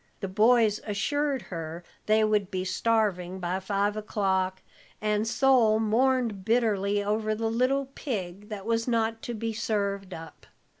The boys assured her they would be starving by five o'clock, and Sol mourned bitterly over the little pig that was not to be served up.